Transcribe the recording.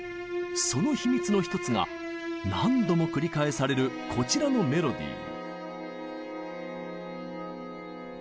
その秘密の１つが何度も繰り返されるこちらのメロディー。